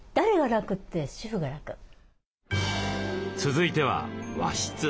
続いては和室。